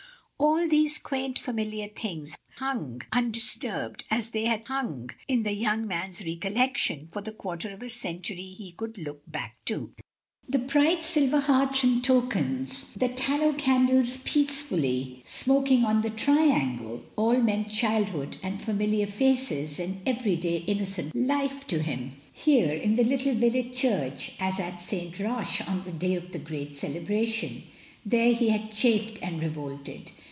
All these quaint familiar things hung undisturbed as they had hung in the young man's recollection for the quarter of a cen tury he could look back to. The bright silver hearts and tokens, the tallow candles peacefully 70 MRS. DYMOND. smoking on the triangle — all meant childhood and familiar faces and everyday innocent life to him. He did not feel here in the little village church as at St Roch on the day of the great celebration. There he had chafed and revolted.